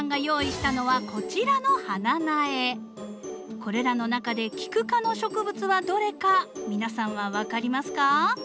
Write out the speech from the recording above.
これらの中でキク科の植物はどれか皆さんは分かりますか？